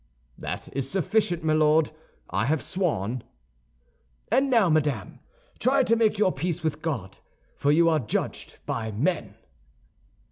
"That is sufficient, my Lord! I have sworn." "And now, madame, try to make your peace with God, for you are judged by men!"